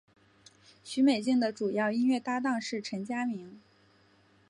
许美静的主要音乐搭档是陈佳明。